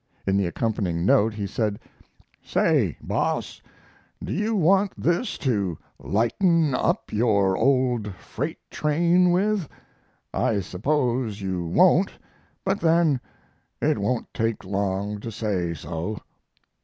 In the accompanying note he said: Say, Boss, do you want this to lighten up your old freight train with? I suppose you won't, but then it won't take long to say, so.